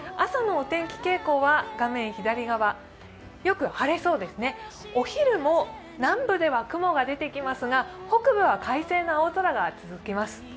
朝のお天気傾向は画面左側、よく晴れそうですねお昼も南部では雲が出てきますが北部は快晴の青空が続きます。